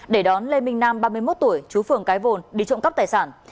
để đón lê minh nam ba mươi một tuổi chú phường cái vồn đi trộm cắp tài sản